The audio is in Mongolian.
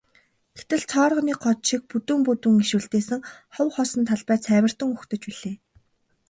Гэтэл цооргонын год шиг бүдүүн бүдүүн иш үлдээсэн хов хоосон талбай цайвартан угтаж билээ.